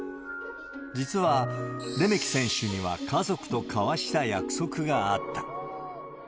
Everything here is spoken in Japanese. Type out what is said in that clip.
実は、レメキ選手には家族と交わした約束があった。